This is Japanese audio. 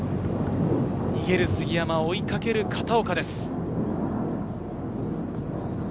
逃げる杉山、追いかける片岡です。